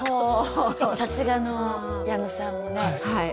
さすがの矢野さんもね。